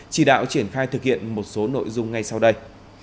chỉ đạo triển khai thực hiện một số nội dung ngay sau đây